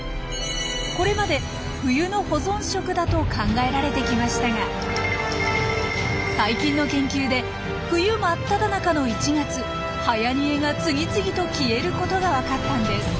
これまで冬の保存食だと考えられてきましたが最近の研究で冬真っただ中の１月はやにえが次々と消えることがわかったんです。